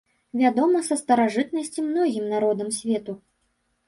Вядома са старажытнасці многім народам свету.